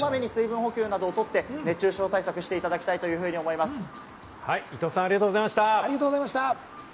こまめに水分補給をして、熱中症対策をしっかりしていただきたい伊藤さん、ありがとうございました。